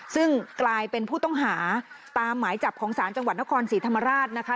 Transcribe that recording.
ซึ่งกลายเป็นผู้ต้องหาตามหมายจับของศาลจังหวัดนครศรีธรรมราชนะคะ